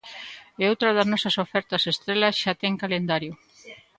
E outra das nosas ofertas estrela xa ten calendario.